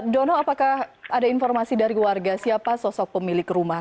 dono apakah ada informasi dari warga siapa sosok pemilik rumah